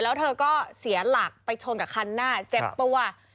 แล้วเธอก็เสียหลักไปชนกับคันหน้าเจ็บตัว